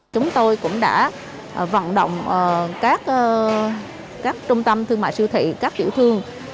chúng tôi cũng đã vận động các trung tâm thương mại siêu thị các tiểu thương